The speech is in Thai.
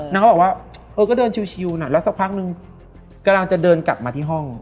เขาบอกว่าเออก็เดินชิวน่ะแล้วสักพักนึงกำลังจะเดินกลับมาที่ห้อง